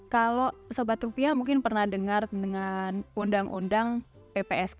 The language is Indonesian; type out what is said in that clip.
kalau sobat rupiah mungkin pernah dengar dengan undang undang ppsk